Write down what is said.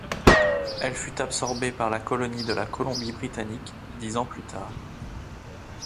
Elle fut absorbée par la colonie de la Colombie-Britannique dix ans plus tard.